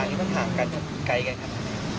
กับมีหัวภัทรการไกลไงครับ